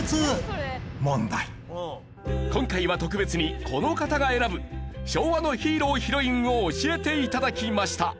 今回は特別にこの方が選ぶ昭和のヒーロー＆ヒロインを教えて頂きました。